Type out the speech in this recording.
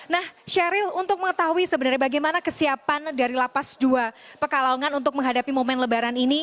nah sheryl untuk mengetahui sebenarnya bagaimana kesiapan dari lapas dua pekalongan untuk menghadapi momen lebaran ini